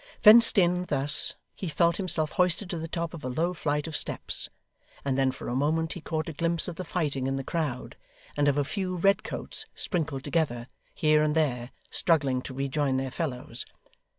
Fenced in, thus, he felt himself hoisted to the top of a low flight of steps, and then for a moment he caught a glimpse of the fighting in the crowd, and of a few red coats sprinkled together, here and there, struggling to rejoin their fellows.